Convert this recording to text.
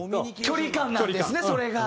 距離感なんですねそれが。